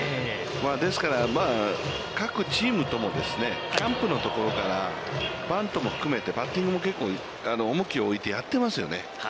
ですから、各チームともキャンプのところからバントも含めてバッティングも結構、重きを置いてやってますよね。